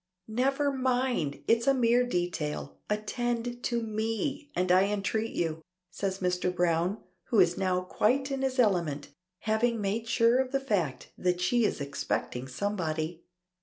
"Never mind! It's a mere detail; attend to me and I entreat you," says Mr. Browne, who is now quite in his element, having made sure of the fact that she is expecting somebody.